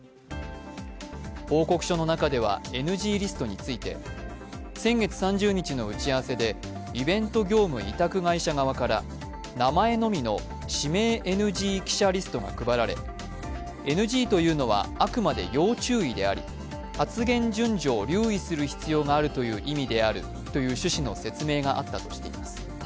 報告書の中では、ＮＧリストについて先月３０日の打ち合わせでイベント業務委託会社側から名前のみの指名ＮＧ記者リストが配られＮＧというのはあくまで要注意であり発言順序を留意する必要があるという意味であるという趣旨の説明があったとしています。